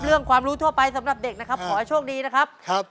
ความรู้ทั่วไปสำหรับเด็กนะครับขอให้โชคดีนะครับ